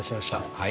はい。